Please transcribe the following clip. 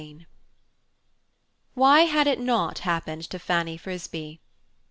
III Why had it not happened to Fanny Frisbee?